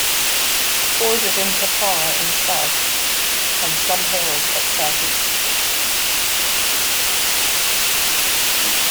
Bordered in Kapar in South and some hills at Southeast.